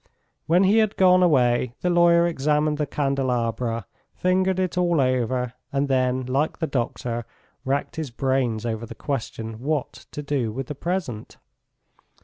When he had gone away the lawyer examined the candelabra, fingered it all over, and then, like the doctor, racked his brains over the question what to do with the present.